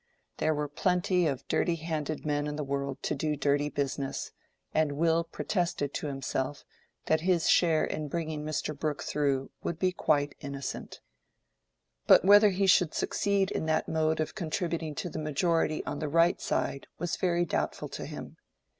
There were plenty of dirty handed men in the world to do dirty business; and Will protested to himself that his share in bringing Mr. Brooke through would be quite innocent. But whether he should succeed in that mode of contributing to the majority on the right side was very doubtful to him.